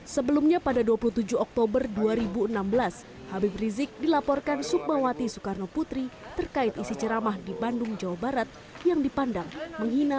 sebelumnya pada dua puluh tujuh oktober dua ribu enam belas habib rizik dilaporkan sukmawati soekarno putri terkait isi ceramah di bandung jawa barat yang dipandang menghina